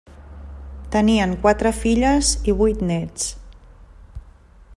Tenien quatre filles i vuit néts.